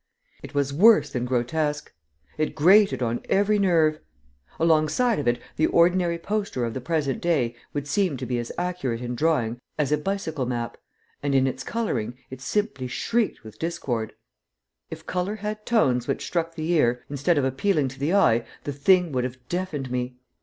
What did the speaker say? It was worse than grotesque. It grated on every nerve. Alongside of it the ordinary poster of the present day would seem to be as accurate in drawing as a bicycle map, and in its coloring it simply shrieked with discord. If color had tones which struck the ear, instead of appealing to the eye, the thing would have deafened me.